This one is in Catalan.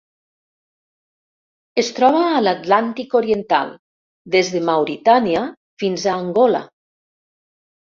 Es troba a l'Atlàntic oriental: des de Mauritània fins a Angola.